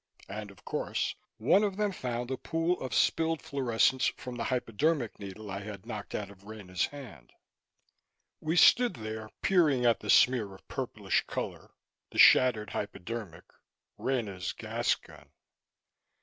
And, of course, one of them found the pool of spilled fluorescence from the hypodermic needle I had knocked out of Rena's hand. We stood there peering at the smear of purplish color, the shattered hypodermic, Rena's gas gun.